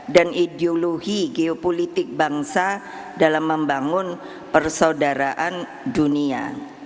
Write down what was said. dan ideologi geopolitik bangsa dalam membangun persaudaraan dunia